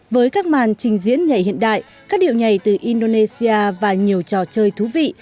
với các màn trình diễn nhảy hiện đại các điệu nhảy từ indonesia và nhiều trò chơi thú vị